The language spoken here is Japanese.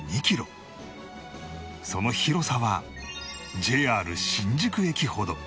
その広さは ＪＲ 新宿駅ほど